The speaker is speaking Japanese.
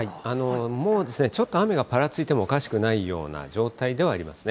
もう、ちょっと雨がぱらついてもおかしくないような状態ではありますね。